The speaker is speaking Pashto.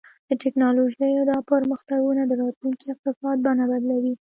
د ټیکنالوژۍ دا پرمختګونه د راتلونکي اقتصاد بڼه بدلوي.